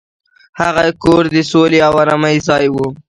هغه کور د سولې او ارامۍ ځای و.